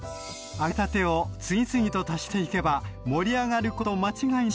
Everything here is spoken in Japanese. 揚げたてを次々と足していけば盛り上がる事間違いなし。